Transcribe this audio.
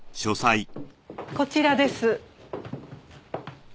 こちらです。